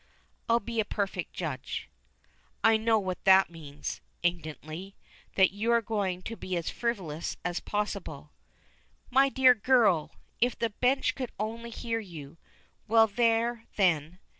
"I'll be a perfect judge." "I know what that means" indignantly "that you are going to be as frivolous as possible." "My dear girl! If the bench could only hear you. Well, there then!